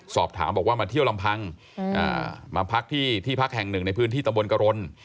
สอบถามบอกว่ามาเที่ยวลำพังมาพักที่พักแห่งหนึ่งในพื้นที่ตำบลกรณ